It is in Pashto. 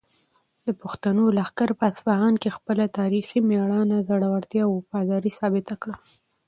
د پښتنو لښکر په اصفهان کې خپله تاریخي مېړانه، زړورتیا او وفاداري ثابته کړه.